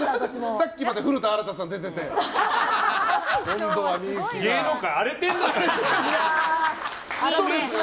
さっきまで古田新太さん出てて今度は幸が。